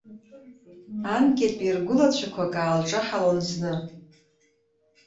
Анкьатәи ргәылацәақәак аалҿаҳалон зны.